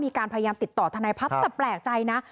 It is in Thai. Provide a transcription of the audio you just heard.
พยายามติดต่อทนายพัฒน์แต่แปลกใจนะ